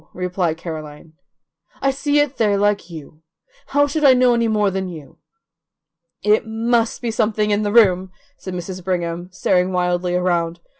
replied Caroline. "I see it there like you. How should I know any more than you?" "It MUST be something in the room," said Mrs. Brigham, staring wildly around.